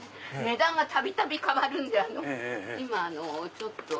値段がたびたび変わるんで今ちょっと。